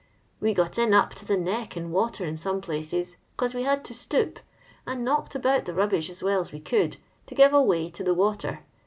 We got in up to the neck in water in some pbues, 'cause we had to stoop, and knocked abont the rubbish as well as we could, to give a way to the water.